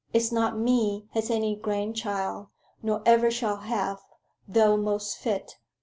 "It's not me has any grandchild, nor ever shall have, though most fit.